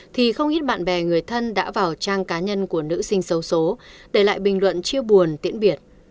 thì không ít bạn bè người thân đã vào trang cá nhân của nữ sinh xấu số để lại bình luận chia buồn tiễn biệt